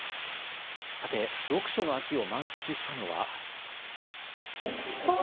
読書の秋を満喫したのは。